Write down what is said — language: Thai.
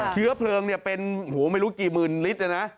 เชื้อเพลิงเป็นไม่รู้กี่หมื่นลิตรเลยนะ